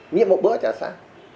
nghĩa một bữa chả sao